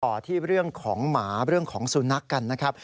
ต่อที่เรื่องของหมาเรื่องของสุนัขกันนะครับ